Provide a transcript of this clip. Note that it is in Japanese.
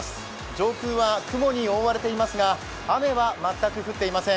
上空は雲に覆われていますが、雨は全く降っていません。